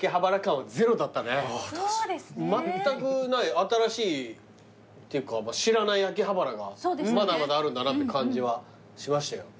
新しいっていうか知らない秋葉原がまだまだあるんだなって感じはしましたよ。